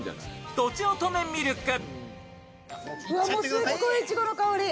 とちおとめミルク。